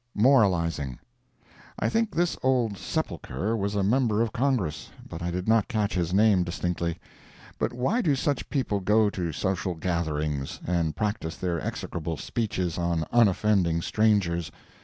MORALIZING. I think this old sepulchre was a member of Congress, but I did not catch his name distinctly. But why do such people go to social gatherings, and practice their execrable speeches on unoffending strangers?